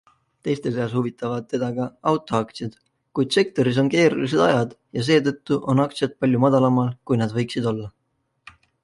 Teiste seas huvitavad teda ka autoaktsiad, kuid sektoris on keerulised ajad ja seetõttu on aktsiad palju madalamal kui nad võiksid olla.